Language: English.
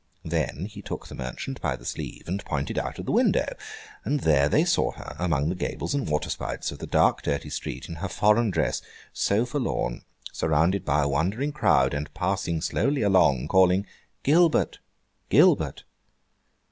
Then, he took the merchant by the sleeve, and pointed out of window; and there they saw her among the gables and water spouts of the dark, dirty street, in her foreign dress, so forlorn, surrounded by a wondering crowd, and passing slowly along, calling Gilbert, Gilbert!